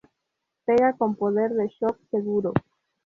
Pega con poder de shock seguro.